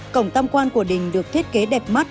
cổng tam quan của đình được thiết kế đẹp mắt